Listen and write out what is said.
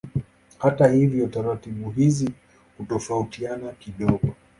Hata hivyo taratibu hizi hutofautiana kidogo.